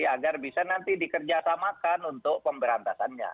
agar bisa nanti dikerjasamakan untuk pemberantasannya